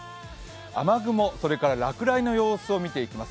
雨雲と落雷の様子を見ていきます。